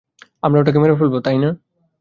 আমরা ওটাকে মেরে ফেলব, তাই না?